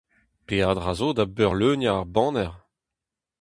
Peadra zo da beurleuniañ ar baner !